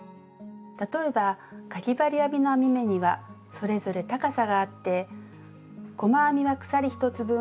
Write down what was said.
例えばかぎ針編みの編み目にはそれぞれ高さがあって細編みは鎖１つ分。